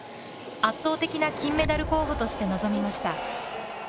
圧倒的な金メダル候補として臨みました。